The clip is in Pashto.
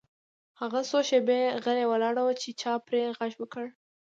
هغه څو شیبې غلی ولاړ و چې چا پرې غږ وکړ